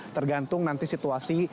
tergantung nanti situasi